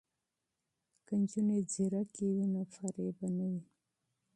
که نجونې ځیرکې وي نو فریب به نه وي.